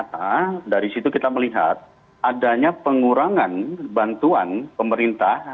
karena dari situ kita melihat adanya pengurangan bantuan pemerintah